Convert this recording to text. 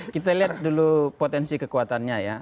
kita lihat dulu potensi kekuatannya ya